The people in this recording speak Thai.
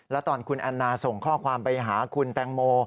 แล้วตอนคุณแอนนาส่งข้อความไปหาคุณแตงโม